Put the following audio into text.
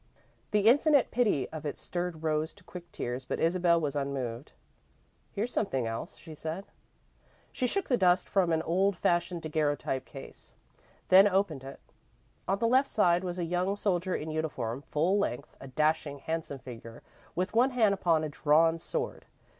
The infinite pity of it stirred Rose to quick tears, but Isabel was unmoved. "Here's something else," she said. She shook the dust from an old fashioned daguerreotype case, then opened it. On the left side was a young soldier in uniform, full length a dashing, handsome figure with one hand upon a drawn sword.